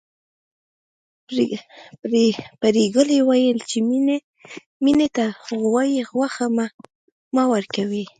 پريګلې ويل چې مينې ته د غوايي غوښه مه ورکوئ